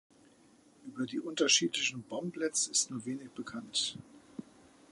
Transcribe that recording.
Über die unterschiedlichen Bomblets ist nur wenig bekannt.